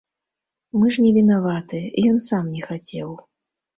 Мы ж не вінаваты, ён сам не хацеў.